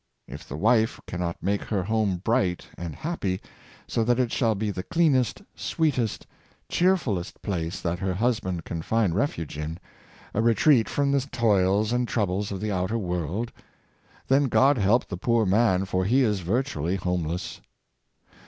If the wife canrot make her home bright and happy, so that it shall be the cleanest, sweetest, cheerfulest place that her hus band can find refuge in — a retreat from the toils and troubles of the outer world — then God help the poor man, for he is virtually homeless!